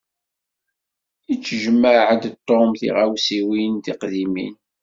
Yettejmaɛ-d Tom tiɣawsiwin tiqdimin.